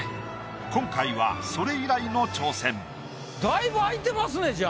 今回はそれ以来の挑戦。だいぶ空いてますねじゃあ。